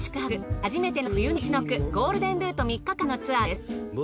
初めての冬のみちのくゴールデンルート３日間のツアーです。